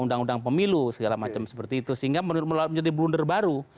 undang undang pemilu segala macam seperti itu sehingga menjadi blunder baru